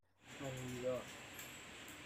امیرا